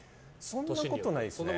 そんなことないですね。